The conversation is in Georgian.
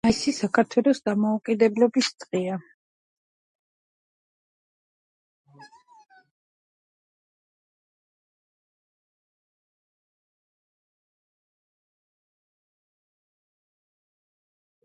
პარტიის პოლიტსაბჭოს წევრი.